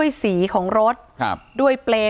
ที่มีข่าวเรื่องน้องหายตัว